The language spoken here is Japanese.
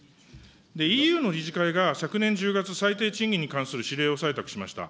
ＥＵの理事会が昨年１０月、最低賃金に関する指令を採択しました。